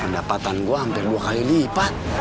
pendapatan gue hampir dua kali lipat